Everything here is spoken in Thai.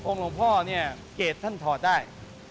หลวงพ่อเนี่ยเกรดท่านถอดได้